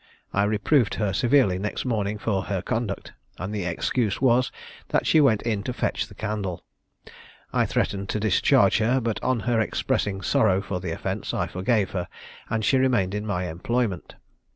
I reproved her severely next morning for her conduct; and the excuse was, that she went in to fetch the candle. I threatened to discharge her, but on her expressing sorrow for the offence, I forgave her, and she remained in my employment.